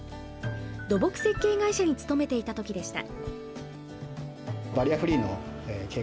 土木設計会社に勤めていた時でした。